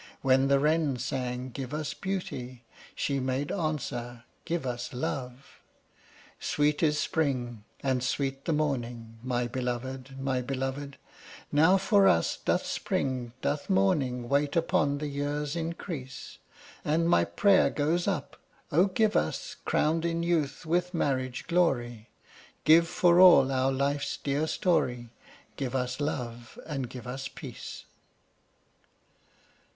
When the wren sang, "Give us beauty!" She made answer, "Give us love!" Sweet is spring, and sweet the morning, my belovèd, my belovèd; Now for us doth spring, doth morning, wait upon the year's increase, And my prayer goes up, "Oh, give us, crowned in youth with marriage glory, Give for all our life's dear story, Give us love, and give us peace!"